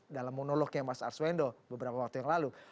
dalam monolognya mas arswendo beberapa waktu yang lalu